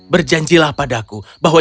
berjanjilah padaku bahwa